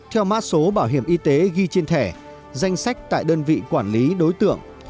theo mã số bảo hiểm y tế ghi trên thẻ danh sách tại đơn vị quản lý đối tượng